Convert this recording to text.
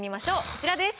こちらです。